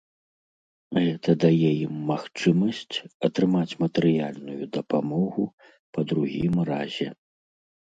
Гэта дае ім магчымасць атрымаць матэрыяльную дапамогу па другім разе.